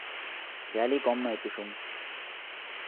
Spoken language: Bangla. খেয়ালি কম নয় কুসুম।